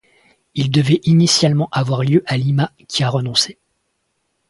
Ils devaient initialement avoir lieu à Lima, qui a renoncé.